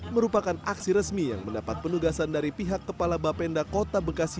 merupakan aksi resmi yang mendapat penugasan dari pihak kepala bapenda kota bekasi